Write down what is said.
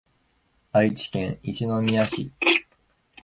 愛知県一宮市